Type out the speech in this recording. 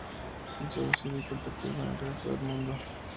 Introducido y cultivado en el resto del mundo.